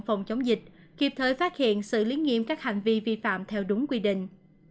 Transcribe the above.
phòng chống dịch kịp thời phát hiện xử lý nghiêm các hành vi vi phạm theo đúng quy định